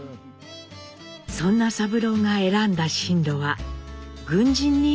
そんな三郎が選んだ進路は軍人になることでした。